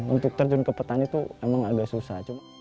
untuk terjun ke petani itu emang agak susah